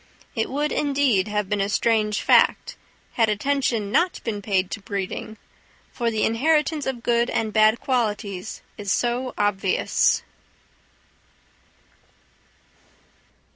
It would, indeed, have been a strange fact, had attention not been paid to breeding, for the inheritance of good and bad qualities is so obvious.